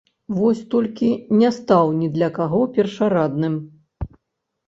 Вось толькі не стаў ні для каго першарадным.